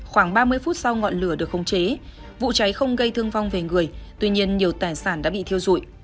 khoảng ba mươi phút sau ngọn lửa được khống chế vụ cháy không gây thương vong về người tuy nhiên nhiều tài sản đã bị thiêu dụi